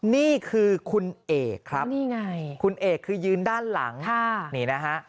นี่คือคุณเอกครับนี่ไงคุณเอกคือยืนด้านหลังนี่นะฮะ